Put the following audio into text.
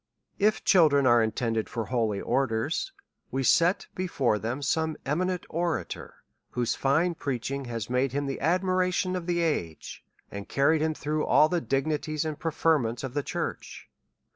If cliildren are intended for holy orders, we set be fore them some eminent orator, whose fine preaching has made him the admiration of the age, and carried him through all the dignities and preferments of the church.